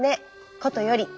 ことより」。